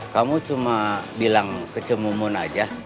kamu cuma bilang ke cemumun aja